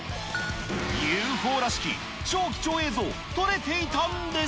ＵＦＯらしき超貴重映像、撮れていたんです。